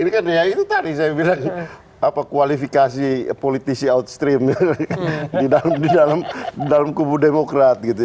ini kan ya itu tadi saya bilang kualifikasi politisi outstream di dalam kubu demokrat gitu